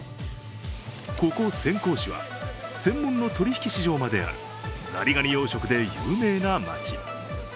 ここ潜江市は専門の取引市場まであるザリガニ養殖で有名な街。